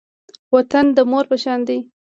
وطن د مور په شان دی